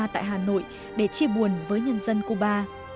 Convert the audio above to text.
tại hà nội để chia buồn với nhân dân cuba